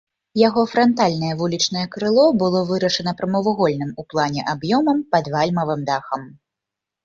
Яго франтальнае вулічнае крыло было вырашана прамавугольным у плане аб'ёмам пад вальмавым дахам.